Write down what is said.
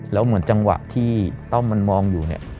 แล้วเหมือนจังหวะที่ต้อมมันมองอยู่เนี่ย